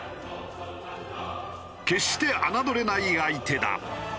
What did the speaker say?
決して侮れない相手だ。